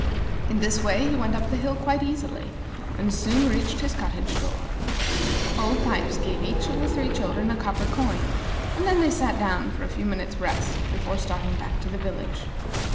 In this way he went up the hill quite easily, and soon reached his cottage door. Old Pipes gave each of the three children a copper coin, and then they sat down for a few minutes' rest before starting back to the village.